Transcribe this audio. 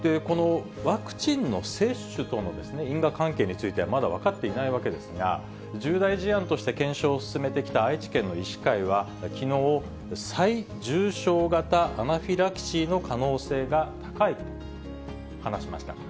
このワクチンの接種との因果関係についてはまだ分かっていないわけですが、重大事案として検証を進めてきた愛知県の医師会は、きのう、最重症型アナフィラキシーの可能性が高いと話しました。